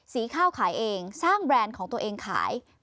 สีข้าวขายเองสร้างแบรนด์ของตัวเองขาย